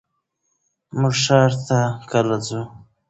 مونږ ښار ته کله ځو؟